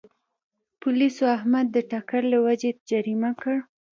پولیسو احمد د ټکر له وجې جریمه کړ.